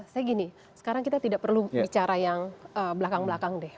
saya gini sekarang kita tidak perlu bicara yang belakang belakang deh